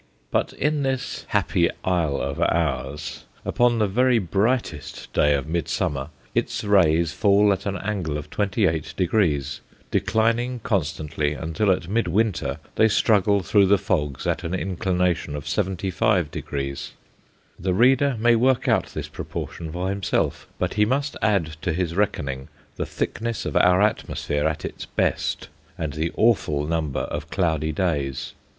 But in this happy isle of ours, upon the very brightest day of midsummer, its rays fall at an angle of 28°, declining constantly until, at midwinter, they struggle through the fogs at an inclination of 75°. The reader may work out this proportion for himself, but he must add to his reckoning the thickness of our atmosphere at its best, and the awful number of cloudy days.